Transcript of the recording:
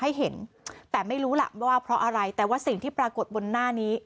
ให้เห็นแต่ไม่รู้ล่ะว่าเพราะอะไรแต่ว่าสิ่งที่ปรากฏบนหน้านี้